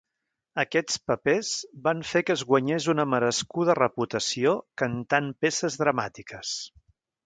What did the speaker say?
Aquests papers van fer que es guanyés una merescuda reputació cantant peces dramàtiques.